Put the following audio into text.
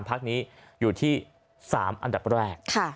พักนี้อยู่ที่๓อันดับแรก